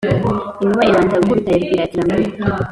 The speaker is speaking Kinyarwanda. inkuba ibanza gukubita ya rwiratiramihigo,